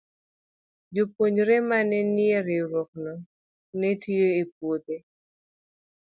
Jopuonjre ma ne nie riwruogno ne tiyo e puothe.